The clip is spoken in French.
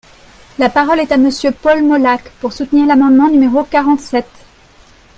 La parole est à Monsieur Paul Molac, pour soutenir l’amendement numéro quarante-sept.